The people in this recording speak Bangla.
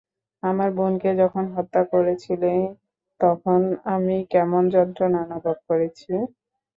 আমার বোনকে যখন হত্যা করেছিলি তখন আমি কেমন যন্ত্রণা অনুভব করেছি?